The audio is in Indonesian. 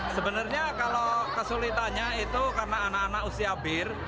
sebenarnya kalau kesulitannya itu karena anak anak usia bir